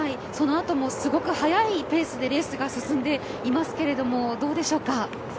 そのあともすごく速いペースでレースが進んでいますけどどうでしょうか？